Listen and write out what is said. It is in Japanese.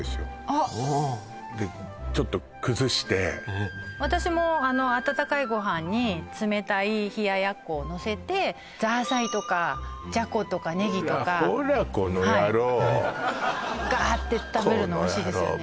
あっちょっと崩して私も温かいご飯に冷たい冷奴をのせてザーサイとかじゃことかネギとかほらこの野郎ガーッて食べるのおいしいですよね